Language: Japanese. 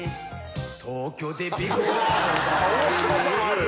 面白さもある！